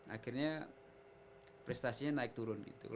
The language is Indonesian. akhirnya prestasinya naik turun gitu